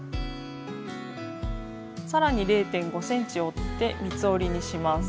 さらに０．５ｃｍ折って三つ折りにします。